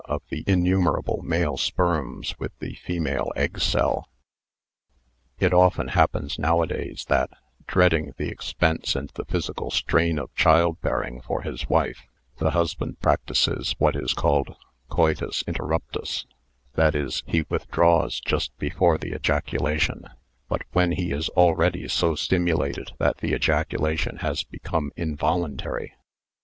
of the innumerable male sperms with the female egg cell. It often happens nowadays that, dreading the ex pense and the physical strain of child bearing for his wife, the husband practises what is called coitus inter ruptus—thzt is, he withdraws just before the ejacu lation, but when he is already so stimulated that the ejaculation has become involuntary.